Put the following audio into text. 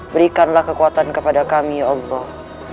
berikanlah kekuatan kepada kami allah